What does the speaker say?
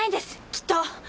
きっと！